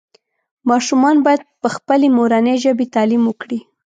ماشومان باید پخپلې مورنۍ ژبې تعلیم وکړي